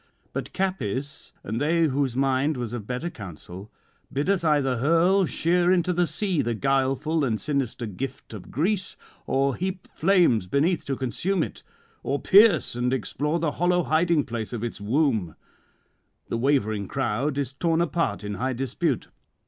But Capys and they whose mind was of better counsel, bid us either hurl sheer into the sea the guileful and sinister gift of Greece, or heap flames beneath to consume it, or pierce and explore the hollow hiding place of its womb. The wavering crowd is torn apart in high dispute.